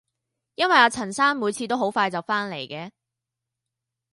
因為阿陳生每次都好快就返嚟嘅